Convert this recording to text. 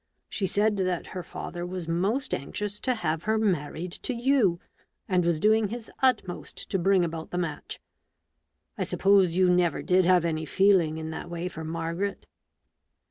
She said that her father was most anxious to have her married to you, and was doing his utmost to bring about the match. I suppose you never did have any feeling in that way for Margaret